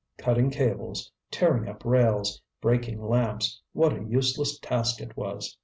Cutting cables, tearing up rails, breaking lamps, what a useless task it was!